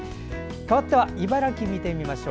かわっては茨城見てみましょう。